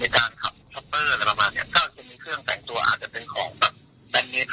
การขับช็อปเปอร์อะไรประมาณเนี้ยก็จะมีเครื่องแต่งตัวอาจจะเป็นของแบบแบนนิด